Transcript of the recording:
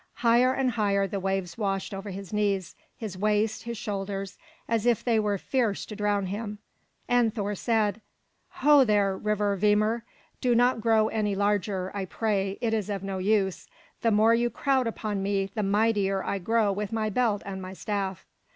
Higher and higher the waves washed over his knees, his waist, his shoulders, as if they were fierce to drown him. And Thor said, "Ho there, river Vimer! Do not grow any larger, I pray. It is of no use. The more you crowd upon me, the mightier I grow with my belt and my staff!"